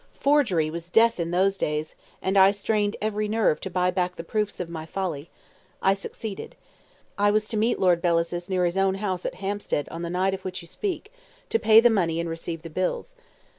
Forgery was death in those days, and I strained every nerve to buy back the proofs of my folly. I succeeded. I was to meet Lord Bellasis near his own house at Hampstead on the night of which you speak, to pay the money and receive the bills.